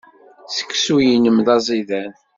Seksu-nnem d aẓidan.